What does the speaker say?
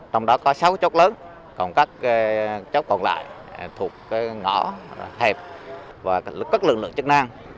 trong đó có sáu chốt lớn còn các chốt còn lại thuộc ngõ hẹp và các lực lượng chức năng